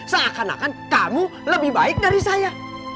seakan akan kamu lebih baik dari saya